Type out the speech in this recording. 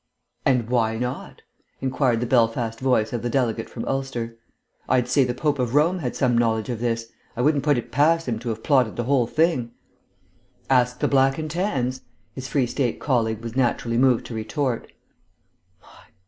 "And why not?" inquired the Belfast voice of the delegate from Ulster. "I'd say the Pope of Rome had some knowledge of this. I wouldn't put it past him to have plotted the whole thing." "Ask the Black and Tans," his Free State colleague was naturally moved to retort.